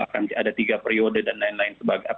akan ada tiga periode dan lain lain